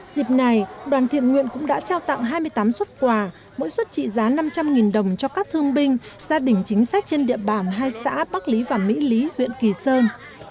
dịp này đoàn thiện nguyện cũng đã trao tặng hai mươi tám xuất quà mỗi xuất trị giá năm trăm linh đồng cho các thương binh gia đình chính sách trên địa bàn hai xã bắc lý và mỹ lý huyện kỳ sơn